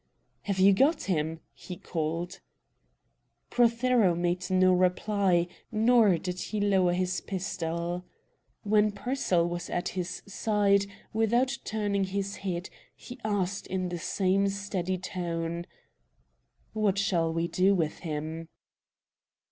"Have you got him?" he called. Prothero made no reply, nor did he lower his pistol. When Pearsall was at his side, without turning his head, he asked in the same steady tone: "What shall we do with him?"